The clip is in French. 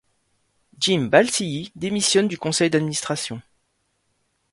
Jim Balsillie démissionne du conseil d'administration.